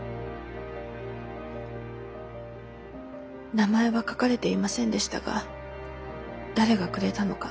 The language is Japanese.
名前は書かれていませんでしたが誰がくれたのか